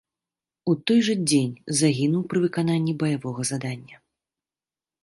У той жа дзень загінуў пры выкананні баявога задання.